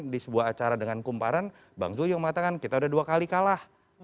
di sebuah acara dengan kumparan bang zul juga mengatakan kita udah dua kali kalah